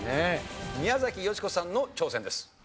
宮崎美子さんの挑戦です。